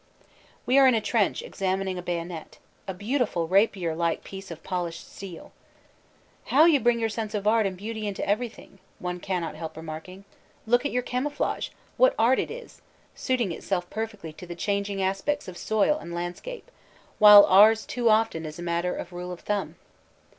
We are in a trench examining a bayonet, a beautiful rapier like piece of polished steel. "How you bring your sense of art and beauty into everything," one cannot help remarking. "Look at your camouflage, what art it is, suiting itself per fectly to the changing aspects of soil and landscape; while ours too often is a matter of rule of thumb."